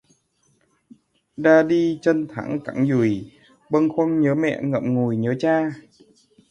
Ra đi chân thẳng cẳng dùi, Bâng khuâng nhớ mẹ ngậm ngùi nhớ cha